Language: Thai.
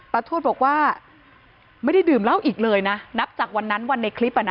ทวดบอกว่าไม่ได้ดื่มเหล้าอีกเลยนะนับจากวันนั้นวันในคลิปอ่ะนะ